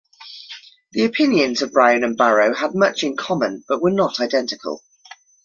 The opinions of Browne and Barrowe had much in common, but were not identical.